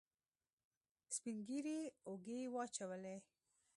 سپينږيري اوږې واچولې.